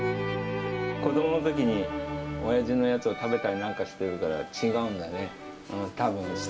子どものときに、おやじのやつを食べたりなんかしてるから、違うんだね。